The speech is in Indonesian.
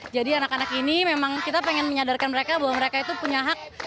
jadi anak anak ini memang kita pengen menyadarkan mereka bahwa mereka itu punya hak